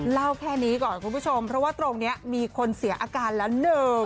เล่าแค่นี้ก่อนคุณผู้ชมเพราะว่าตรงนี้มีคนเสียอาการแล้ว